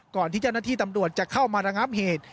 ก่อนที่เจ้าหน้าที่ตำรวจจะเข้ามาระงับเหตุ